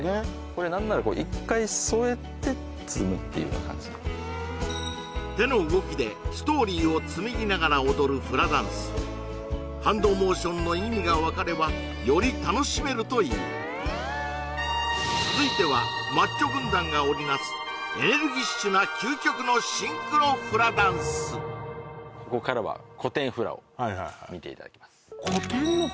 これなんなら一回添えて摘むっていうような感じの手の動きでストーリーを紡ぎながら踊るフラダンスハンドモーションの意味が分かればより楽しめるという続いてはマッチョ軍団が織りなすエネルギッシュな究極のシンクロフラダンスを見ていただきます